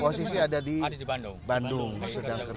posisi ada di bandung sedang kerja